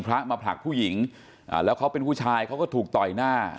พระมาผลักผู้หญิงแล้วเขาเป็นผู้ชายเขาก็ถูกต่อยหน้า